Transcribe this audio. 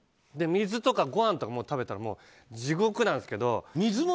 水とかごはんとか食べたらもう地獄なんですけど。